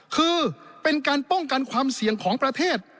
คือเป็นการป้องกันความเสี่ยงของประเทศ